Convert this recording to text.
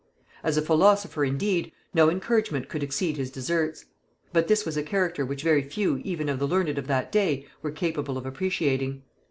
As a philosopher indeed, no encouragement could exceed his deserts; but this was a character which very few even of the learned of that day were capable of appretiating.